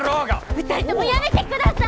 ２人ともやめてください！